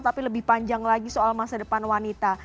tapi lebih panjang lagi soal masa depan wanita